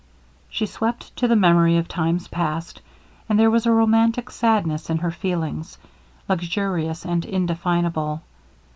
She wept to the memory of times past, and there was a romantic sadness in her feelings, luxurious and indefinable.